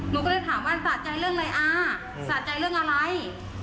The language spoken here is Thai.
หนูก็เลยถามว่าสะใจเรื่องอะไรอาสะใจเรื่องอะไร